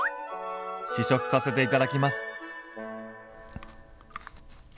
試食させていただきます。